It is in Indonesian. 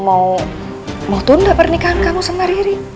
aku mau tunda pernikahan aku sama riri